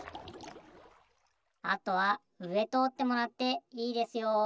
あとはうえとおってもらっていいですよ。